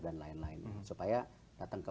dan lain lain supaya datang ke